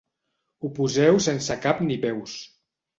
Ho poseu sense cap ni peus.